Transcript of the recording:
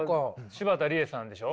柴田理恵さんでしょ？